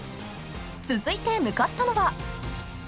［続いて向かったのは］